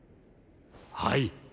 はい。